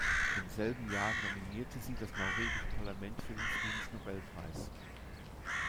Im selben Jahr nominierte sie das norwegische Parlament für den Friedensnobelpreis.